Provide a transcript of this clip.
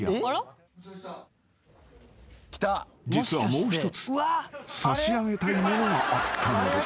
［実はもう一つ差し上げたいものがあったのです］